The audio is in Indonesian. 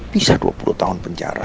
bisa dua puluh tahun penjara